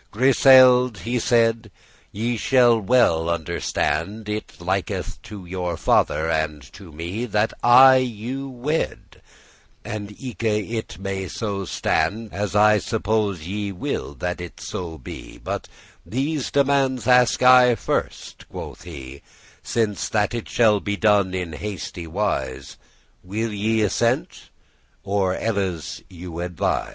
*true <6> "Griseld'," he said, "ye shall well understand, It liketh to your father and to me That I you wed, and eke it may so stand, As I suppose ye will that it so be: But these demandes ask I first," quoth he, "Since that it shall be done in hasty wise; Will ye assent, or elles you advise?